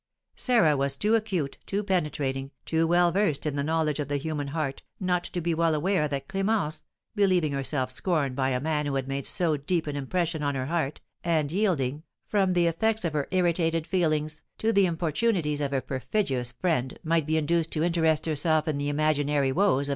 Sarah was too acute, too penetrating, too well versed in the knowledge of the human heart, not to be well aware that Clémence, believing herself scorned by a man who had made so deep an impression on her heart, and yielding, from the effects of her irritated feelings, to the importunities of a perfidious friend, might be induced to interest herself in the imaginary woes of M.